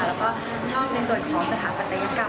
แล้วก็ชอบในส่วนของสถาปัตยกรรม